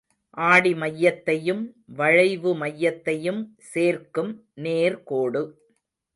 ஆடி மையத்தையும் வளைவுமையத்தையும் சேர்க்கும் நேர்க்கோடு.